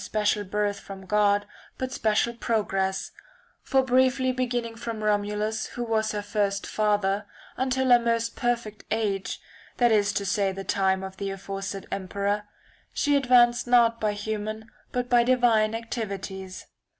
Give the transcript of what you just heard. special birth from God but special progress ; for briefly beginning from Romulus, who was her first father, until her most perfect age, that is to say the time of the aforesaid emperor, she advanced not by human but by divine activities.